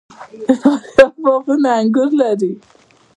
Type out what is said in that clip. د فاریاب باغونه انګور لري.